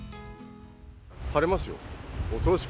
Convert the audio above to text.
腫れますよ。